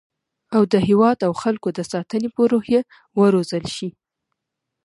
او د هیواد او خلکو د ساتنې په روحیه وروزل شي